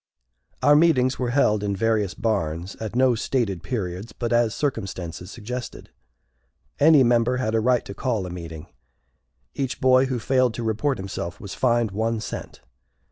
Our meetings were held in various barns, at no stated periods, but as circumstances suggested. Any member had a right to call a meeting. Each boy who failed to report himself was fined one cent.